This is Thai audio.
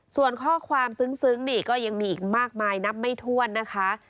ส่วนข้อความซึ้งนี่ก็ยังมีอีกมากมายนับไม่ถ้วนนะคะ